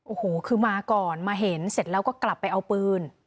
โอ้โหคือมาก่อนมาเห็นเสร็จแล้วก็กลับไปเอาปืน